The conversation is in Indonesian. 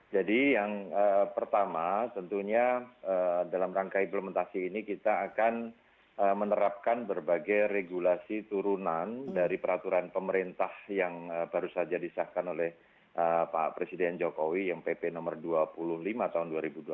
jadi yang pertama tentunya dalam rangka implementasi ini kita akan menerapkan berbagai regulasi turunan dari peraturan pemerintah yang baru saja disahkan oleh pak presiden jokowi yang pp nomor dua puluh lima tahun dua ribu dua puluh